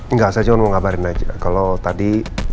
enggak saya cuma mau ngabarin aja kalau tadi